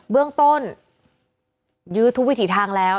เบื้องต้นยื้อทุกวิถีทางแล้ว